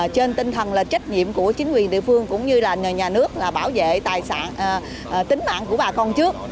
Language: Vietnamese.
trên tinh thần trách nhiệm của chính quyền địa phương cũng như nhà nước bảo vệ tính mạng của bà con trước